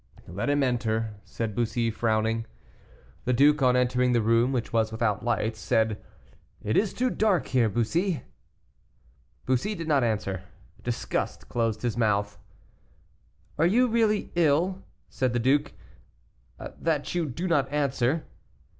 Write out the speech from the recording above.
"Let him enter," said Bussy, frowning. The duke, on entering the room, which was without lights, said, "It is too dark here, Bussy." Bussy did not answer; disgust closed his mouth. "Are you really ill," said the duke, "that you do not answer?"